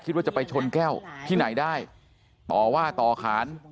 คิดว่าจะไปชนแก้วที่ไหนได้ต่อว่าต่อขาน